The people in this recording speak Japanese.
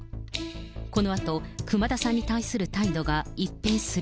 このあと、熊田さんに対する態度が一変する。